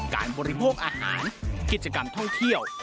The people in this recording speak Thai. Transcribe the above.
บริโภคอาหารกิจกรรมท่องเที่ยว